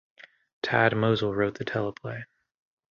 Tad Mosel wrote the teleplay.